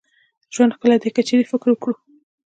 ژوند ښکلې دي که چيري فکر وکړو